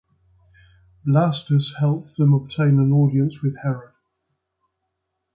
Blastus helped them obtain an audience with Herod.